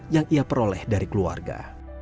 yang ia peroleh dari keluarga